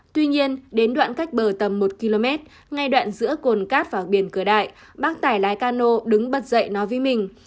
tuy nhiên đến đoạn cách bờ tầm một km ngay đoạn giữa cồn cát và biển cửa đại bác tải lái cano đứng bật dậy nói với mình